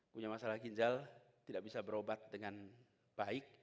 punya masalah ginjal tidak bisa berobat dengan baik